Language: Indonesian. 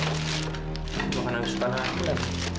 makanan yang suka anakku lagi